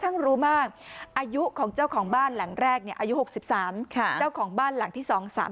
อายุ๖๓ค่ะเจ้าของบ้านหลังที่๒๓๖